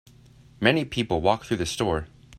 many people walk through the store.